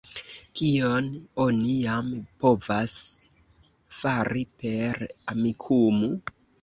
Kion oni jam povas fari per Amikumu?